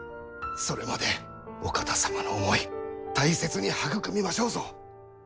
それまでお方様の思い大切に育みましょうぞ。